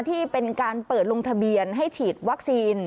ที่เป็นการเปิดลงทะเบียนให้ฉีดวัคซีน